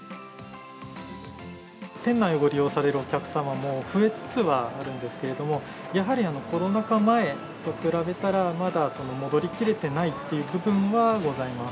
店内をご利用されるお客様も増えつつはあるんですけれども、やはり、コロナ禍前と比べたら、まだ戻りきれてないという部分はございます。